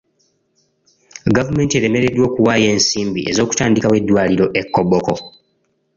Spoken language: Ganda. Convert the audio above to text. Gavumenti eremereddwa okuwaayo ensimbi ez'okutandikawo eddwaliro e Koboko.